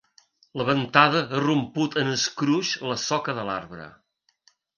La ventada ha romput en escruix la soca de l'arbre.